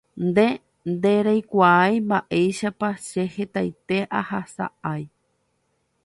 Nde ndereikuaái mba'éichapa che hetaite ahasa'asy